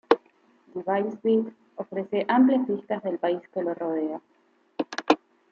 Devil's Bit ofrece amplias vistas del país que lo rodea.